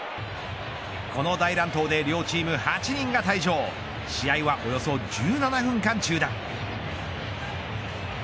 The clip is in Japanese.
この大乱闘で両チーム８人が退場試合はおよそ１７分間中断。